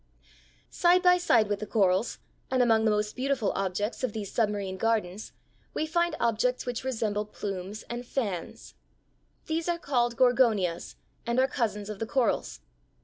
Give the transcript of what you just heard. ] Side by side with the corals and among the most beautiful objects of these submarine gardens, we find objects which resemble plumes and fans (Fig. 41). These are called Gorgonias, and are cousins of the corals.